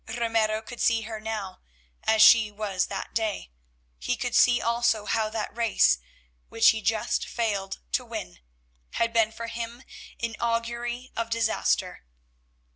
Ramiro could see her now as she was that day; he could see also how that race, which he just failed to win, had been for him an augury of disaster.